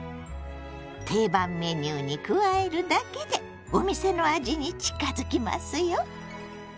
定番メニューに加えるだけでお店の味に近づきますよ！